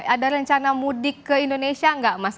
ada rencana mudik ke indonesia nggak mas